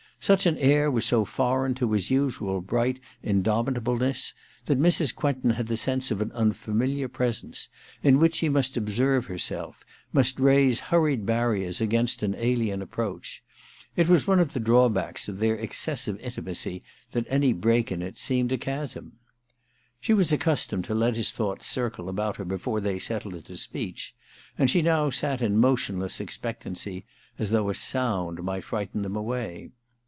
Such an air was so foreign to his usual bright indomitableness that Mrs. Quentin had the sense of an unfamiliar presence, in which she must observe herself, must raise hurried barriers against an alien approach. It was one of the drawbacks of their excessive intimacy that any break in it seemed a chasm. She was accustomed to let his thoughts circle about her before they settled into speech, and she now sat in motionless expectancy, as though a sound might frighten them away.